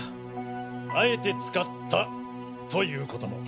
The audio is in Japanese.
敢えて使ったということも。